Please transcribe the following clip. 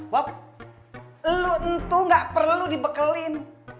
bob lo entuh gak perlu dibekelin